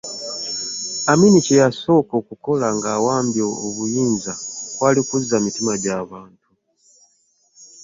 Amini kye yasooka okukola ng'awambye obuyinza kwali kuzza mitima gya Baganda.